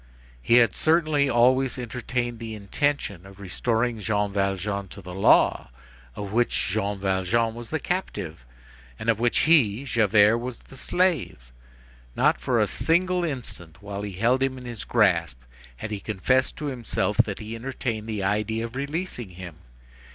He had certainly always entertained the intention of restoring Jean Valjean to the law of which Jean Valjean was the captive, and of which he, Javert, was the slave. Not for a single instant while he held him in his grasp had he confessed to himself that he entertained the idea of releasing him.